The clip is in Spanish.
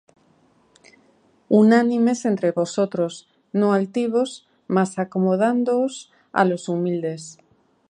Unánimes entre vosotros: no altivos, mas acomodándoos á los humildes.